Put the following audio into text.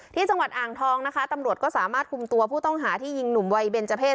ที่จังหวัดอ่างทองนะคะตำรวจก็สามารถคุมตัวผู้ต้องหาที่ยิงหนุ่มวัยเบนเจอร์เศษ